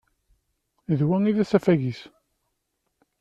D wa i d asafag-is.